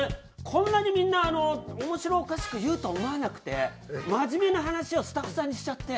こんなにみんな面白おかしく言うと思わなくて真面目な話をスタッフさんにしちゃって。